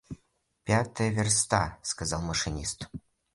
— Пятая верста, — сказал машинист.